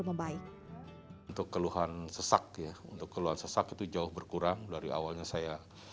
membaik untuk keluhan sesak ya untuk keluhan sesak itu jauh berkurang dari awalnya saya